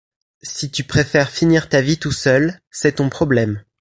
Si tu préfères finir ta vie tout seul, c'est ton problème.